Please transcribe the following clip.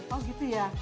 oh gitu ya